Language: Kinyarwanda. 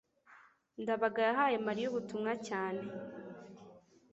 ndabaga yahaye mariya ubutumwa cyane